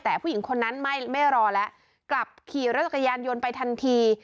แต่ผู้หญิงคนนั้นไม่รอแล้วกลับขี่รถจักรยานยนต์ไปทันที